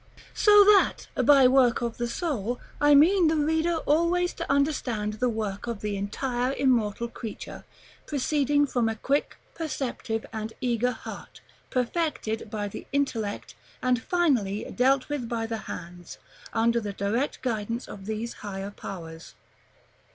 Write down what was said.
So that, by work of the soul, I mean the reader always to understand the work of the entire immortal creature, proceeding from a quick, perceptive, and eager heart, perfected by the intellect, and finally dealt with by the hands, under the direct guidance of these higher powers.